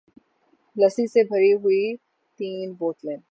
لسی سے بھری ہوئی تین بوتلیں